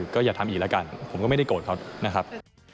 ก็อย่าทำอีกแล้วกันผมก็ไม่ได้โกรธเขานะครับ